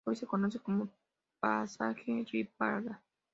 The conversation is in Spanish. Hoy se conoce como el Pasaje Ripalda.